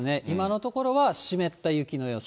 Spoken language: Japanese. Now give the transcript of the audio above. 今のところは湿湿った雪。